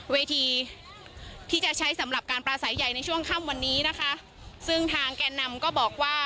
เวทีที่จะใช้สำหรับการปลาสายใหญ่ในช่วงค่ำวันนี้นะคะซึ่งทางแก่นำก็บอกว่า